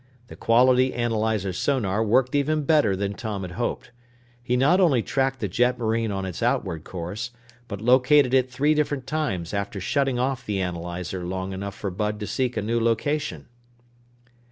The quality analyzer sonar worked even better than Tom had hoped. He not only tracked the jetmarine on its outward course, but located it three different times after shutting off the analyzer long enough for Bud to seek a new location.